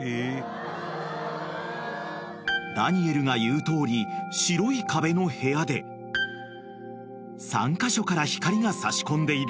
［ダニエルが言うとおり白い壁の部屋で３カ所から光が差し込んでいる］